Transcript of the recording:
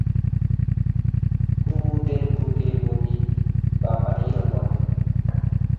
কুমুদের বুকে মতি বাপাইয়া পড়ে।